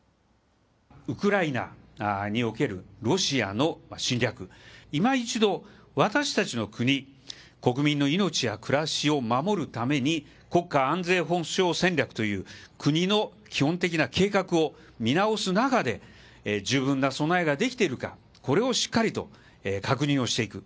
ウクライナにおけるロシアの侵略、いま一度私たちの国、国民の命や暮らしを守るために、国家安全保障戦略という国の基本的な計画を見直す中で、十分な備えができているか、これをしっかりと確認をしていく。